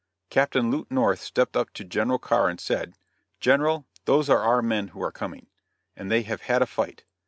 Captain Lute North stepped up to General Carr and said: "General, those are our men who are coming, and they have had a fight.